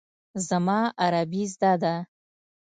زما عربي زده ده.